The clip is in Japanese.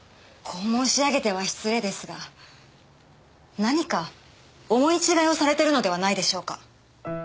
こう申し上げては失礼ですが何か思い違いをされてるのではないでしょうか？